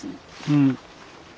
うん。